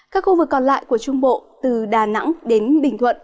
các khu vực còn lại của trung bộ từ đà nẵng đến bình thuận